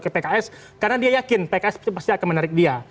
karena dia yakin pks itu pasti akan menarik dia